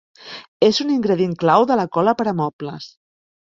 És un ingredient clau de la cola per a mobles.